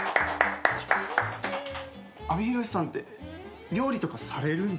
阿部寛さんって料理とかされるんですか？